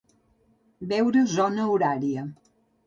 Veure zona horària.